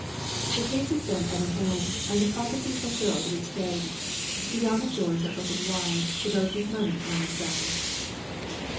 The case is then at an end, and the prophecy fulfilled, which says :—" The yamen doors are open wide To those with money on their side."